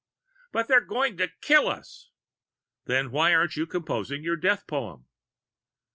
"But they're going to kill us!" "Then why aren't you composing your death poem?"